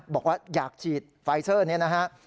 บอกว่าอยากฉีดไฟเซอร์นี้นะฮะ